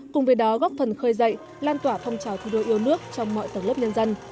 cùng với đó góp phần khơi dậy lan tỏa phong trào thi đua yêu nước trong mọi tầng lớp nhân dân